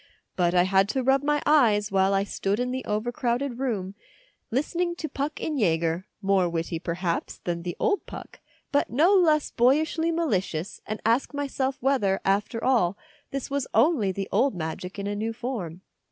But I had to rub my eyes while I stood in the overcrowded room, listening to Puck in Jaeger, more witty, perhaps, than the old Puck, but no less boyishly malicious, and ask myself whether, after all, this was only the old magic in a new form.